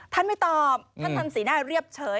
ไม่ตอบท่านทำสีหน้าเรียบเฉย